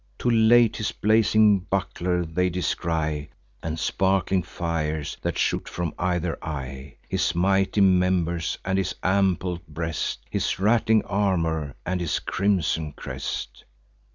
Too late his blazing buckler they descry, And sparkling fires that shot from either eye, His mighty members, and his ample breast, His rattling armour, and his crimson crest.